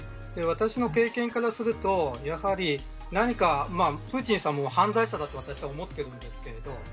私の経験からすると、やはり何か、プーチンさんも犯罪者だと思っているんですけど